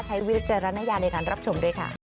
ใช้วิทย์เจอรันยาในการรับชมด้วยค่ะ